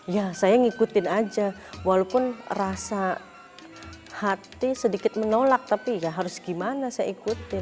ya saya ngikutin aja walaupun rasa hati sedikit menolak tapi ya harus gimana saya ikutin